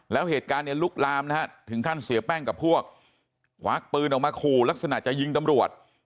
แล้วเหตุการณ์เนี่ยลุกลามนะฮะถึงขั้นเสียแป้งกับพวกควักปืนออกมาขู่ลักษณะจะยิงตำรวจ